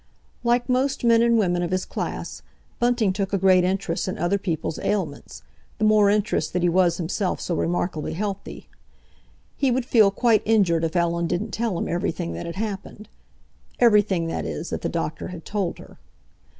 Like most men and women of his class, Bunting took a great interest in other people's ailments, the more interest that he was himself so remarkably healthy. He would feel quite injured if Ellen didn't tell him everything that had happened; everything, that is, that the doctor had told her.